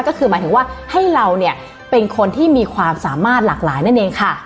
ก็คือหมายถึงว่าให้เราเนี่ยเป็นคนที่มีความสามารถหลากหลายนั่นเองค่ะ